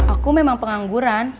aku memang pengangguran